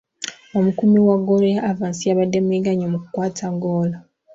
Omukuumi wa ggoolo ya Avance yabadde muyiga nnyo mu kukwata ggoolo.